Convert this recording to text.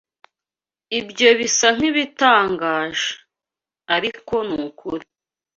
Ibyo bisa nkibitangaje, ariko nukuri.